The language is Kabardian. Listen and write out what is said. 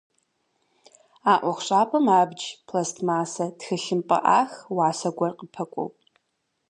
А ӏуэхущӏапӏэм абдж, пластмассэ, тхылъымпӏэ ӏах, уасэ гуэр къыпэкӏуэу.